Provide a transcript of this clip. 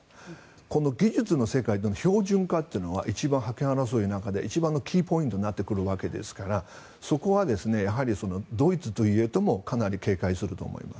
この技術の世界での標準化っていうのは一番、覇権争いの中で一番のキーポイントになってくるわけですからそこはドイツといえどもかなり警戒すると思います。